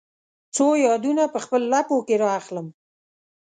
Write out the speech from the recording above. څو یادونه په خپل لپو کې را اخلم